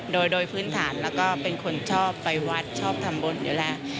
โดยพื้นฐานแล้วก็เป็นคนชอบไปวัดชอบทำบุญอยู่แล้ว